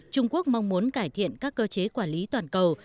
trung quốc mong muốn cải thiện các cơ chế quản lý toàn cầu